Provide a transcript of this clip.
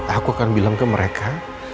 aku akan bilang ke mereka